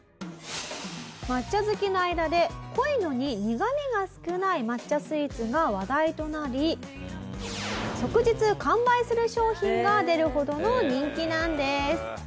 抹茶好きの間で濃いのに苦みが少ない抹茶スイーツが話題となり即日完売する商品が出るほどの人気なんです。